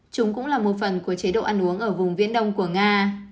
chúng cũng là một phần của chế độ ăn uống ở vùng viễn đông của nga